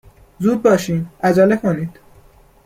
!زود باشین! عجله کنید